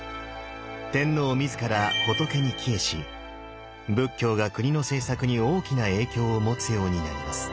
天皇自ら仏に帰依し仏教が国の政策に大きな影響を持つようになります。